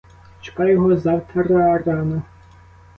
Чекаю його завтра рано.